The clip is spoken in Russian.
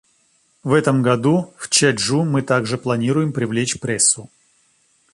В этом году в Чжечжу мы также планируем привлечь прессу.